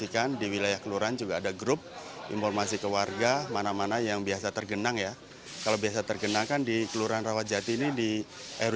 kalau biasa terkenangkan di kelurahan rawajati ini di rw tujuh